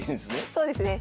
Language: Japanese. そうですね。